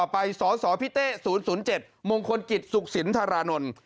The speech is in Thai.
พี่เต้๐๐๗มงคลกิจสุขศิลป์ธาราณนท์